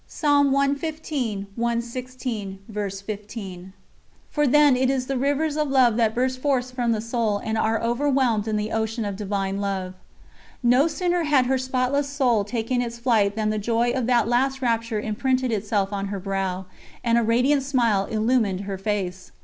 ' For then it is that the rivers of love burst forth from the soul and are whelmed in the Ocean of Divine Love." No sooner had her spotless soul taken its flight than the joy of that last rapture imprinted itself on her brow, and a radiant smile illumined her face.